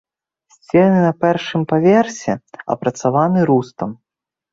Сцены на першым паверсе апрацаваны рустам.